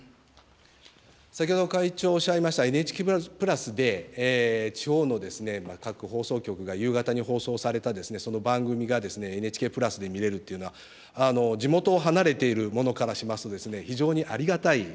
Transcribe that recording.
先ほど会長おっしゃいましたＮＨＫプラスで、地方の各放送局が夕方に放送されたその番組がＮＨＫプラスで見れるというのは、地元を離れている者からしますと、非常にありがたい。